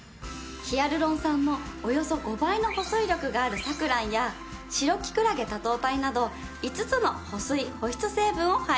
ヒアルロン酸のおよそ５倍の保水力があるサクランやシロキクラゲ多糖体など５つの保水・保湿成分を配合。